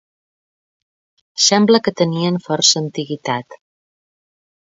Sembla que tenien força antiguitat.